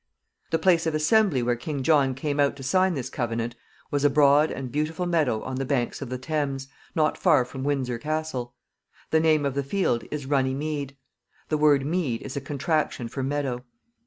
The place of assembly where King John came out to sign this covenant was a broad and beautiful meadow on the banks of the Thames, not far from Windsor Castle. The name of the field is Runny Mead. The word mead is a contraction for meadow.